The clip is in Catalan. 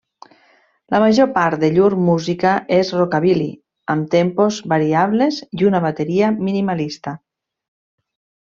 La major part de llur música és rockabilly amb tempos variables i una bateria minimalista.